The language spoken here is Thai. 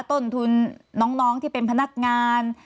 ต้นทุนน้องที่เป็นพนักงาน